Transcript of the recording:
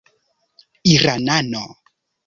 iranano